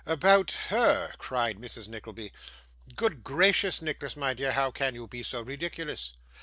'About HER!' cried Mrs. Nickleby. 'Good gracious, Nicholas, my dear, how CAN you be so ridiculous!